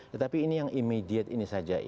tetapi ini yang immediate ini saja